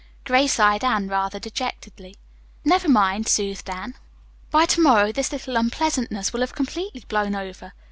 Grace eyed Anne rather dejectedly. "Never mind," soothed Anne. "By to morrow this little unpleasantness will have completely blown over.